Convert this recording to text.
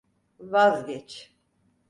Vazgeç…